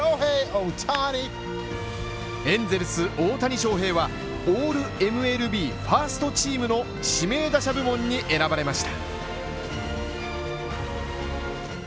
エンゼルス大谷翔平はオールＭＬＢ、ファーストチームの指名打者部門に選ばれました。